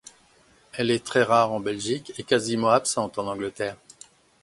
Elle est très rare en Belgique et quasiment absente en Angleterre.